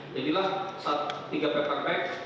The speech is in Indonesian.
jadilah tiga paper bag